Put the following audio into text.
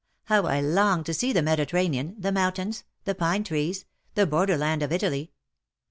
How I long to see the Mediterranean — the mountains — the pine trees — the border land of Italy."